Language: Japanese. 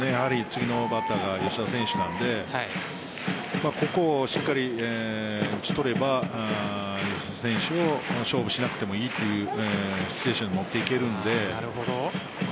次のバッターが吉田選手なのでここをしっかり打ち取れば吉田選手を勝負しなくてもいいというシチュエーションに持っていけるので。